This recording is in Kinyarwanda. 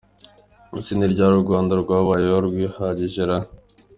ese ni ryari u rwanda rwabayeho rwihagije ra?